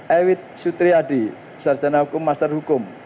ewit sutriadi sarjana hukum master hukum